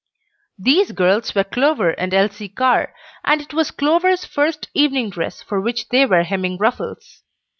These girls were Clover and Elsie Carr, and it was Clover's first evening dress for which they were hemming ruffles.